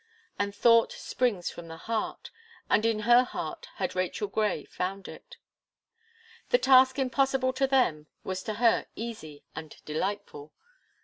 And thought springs from the heart, and in her heart had Rachel Gray found it. The task impossible to them was to her easy and delightful.